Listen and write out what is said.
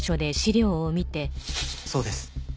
そうです。